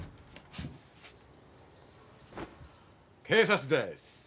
警察です。